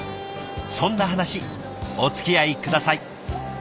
そんな話おつきあい下さい。